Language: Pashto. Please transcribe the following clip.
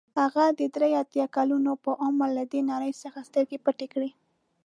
هغه د درې اتیا کلونو په عمر له دې نړۍ څخه سترګې پټې کړې.